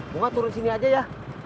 bunga turun sini aja ya